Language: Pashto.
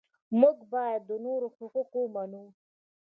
موږ باید د نورو حقوق ومنو.